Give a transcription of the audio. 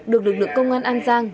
được lực lượng công an an giang